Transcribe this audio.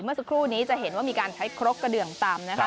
เมื่อสักครู่นี้จะเห็นว่ามีการใช้ครกกระเดืองตำนะคะ